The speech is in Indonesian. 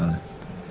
ya berulang ya